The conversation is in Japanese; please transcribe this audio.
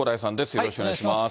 よろしくお願いします。